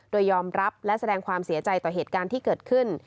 โดยยอมรับและแสดงความเสียใจต่อเหตุการณ์ที่เกิดขึ้น